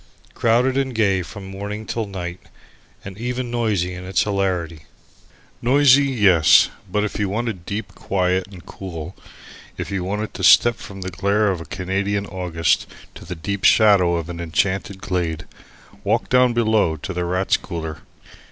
Crowded and gay from morning to night, and even noisy in its hilarity. Noisy, yes; but if you wanted deep quiet and cool, if you wanted to step from the glare of a Canadian August to the deep shadow of an enchanted glade, walk down below into the Rats' Cooler.